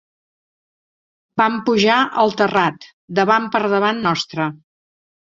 Van pujar al terrat, davant per davant nostre